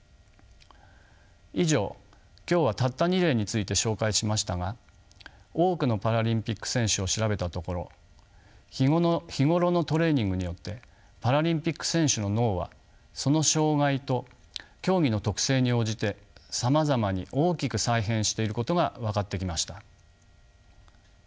以上今日はたった２例について紹介しましたが多くのパラリンピック選手を調べたところ日頃のトレーニングによってパラリンピック選手の脳はその障がいと競技の特性に応じてさまざまに大きく再編していることが分かってきました。